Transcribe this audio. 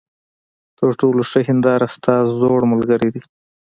تر ټولو ښه هینداره ستا زوړ ملګری دی.